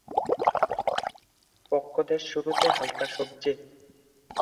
বক্ষদেশ শুরুতে হালকা সবজে।